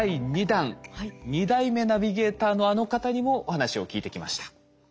２代目ナビゲーターのあの方にもお話を聞いてきました。